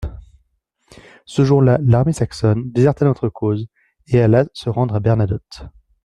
Ce jour-là, l'armée saxonne déserta notre cause, et alla se rendre à Bernadotte.